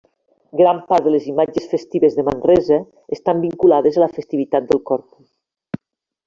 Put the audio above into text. Gran part de les imatges festives de Manresa estan vinculades a la festivitat del Corpus.